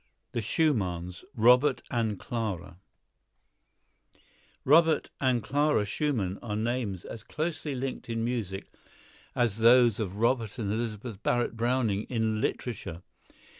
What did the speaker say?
The Schumanns: Robert and Clara Robert and Clara Schumann are names as closely linked in music as those of Robert and Elizabeth Barrett Browning in literature.